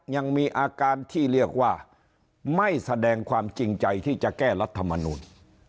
ยังมีอาการที่เรียกว่าไม่แสดงความจริงใจที่จะแก้รัฐมนูล